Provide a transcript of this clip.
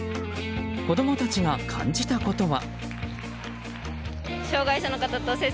子供たちが感じたことは。